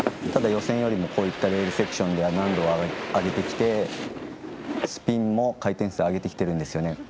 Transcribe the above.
ただ予選よりもレールセクションでは難度を上げてきてスピンも回転数を上げてきているんですね。